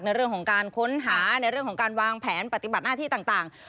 ในเรื่องของการค้นหาในเรื่องของการวางแผนปฏิบัติหน้าที่ต่าง